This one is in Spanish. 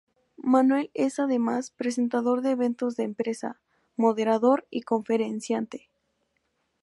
Manuel es, además, presentador de eventos de empresa, moderador y conferenciante.